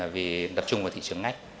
vì đập trung vào thị trường ngách